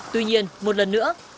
tuy nhiên một lần nữa